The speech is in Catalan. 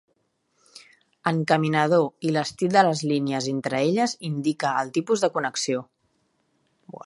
Encaminador, i l'estil de les línies entre elles indica el tipus de connexió.